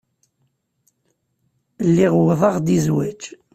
Lliɣ uwḍeɣ-d i zzwaj.